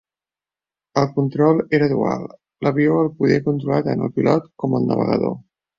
El control era dual: l'avió el podia controlar tant el pilot com el navegador.